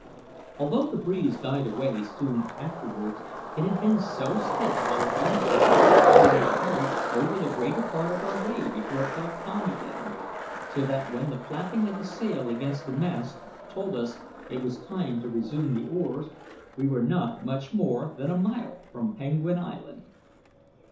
Although the breeze died away soon afterwards, it had been so stiff while it lasted that we were carried over the greater part of our way before it fell calm again; so that when the flapping of the sail against the mast told us that it was time to resume the oars, we were not much more than a mile from Penguin Island.